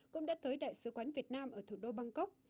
cũng đã tới đại sứ quán việt nam ở thủ đô bangkok